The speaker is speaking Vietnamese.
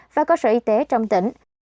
và cơ sở y tế trong tỉnh